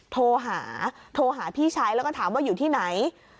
โทรหาโทรหาพี่ชายแล้วก็ถามว่าอยู่ที่ไหน